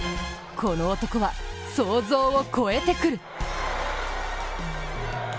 この男は、想像を超えてくる。